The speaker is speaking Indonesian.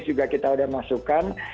juga kita sudah masukkan